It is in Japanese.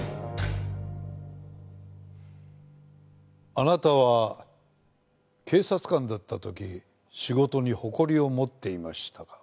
あなたは警察官だった時仕事に誇りを持っていましたか？